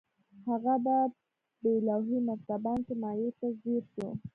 هغه په بې لوحې مرتبان کې مايع ته ځير شو.